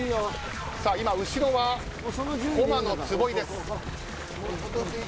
後ろは駒野、坪井です。